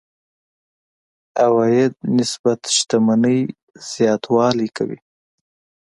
عوایدو نسبت شتمنۍ زياتوالی کوي.